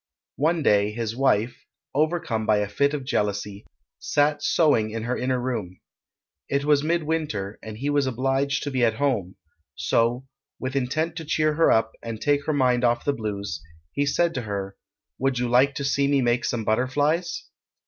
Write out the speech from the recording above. One day his wife, overcome by a fit of jealousy, sat sewing in her inner room. It was midwinter, and he was obliged to be at home; so, with intent to cheer her up and take her mind off the blues, he said to her, "Would you like to see me make some butterflies?"